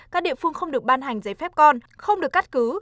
các địa phương không được ban hành giấy phép con không được cắt cứ